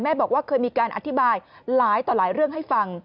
บอกว่าเคยมีการอธิบายหลายต่อหลายเรื่องให้ฟัง